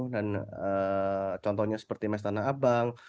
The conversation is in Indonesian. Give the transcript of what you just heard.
dan contohnya seperti mestana abang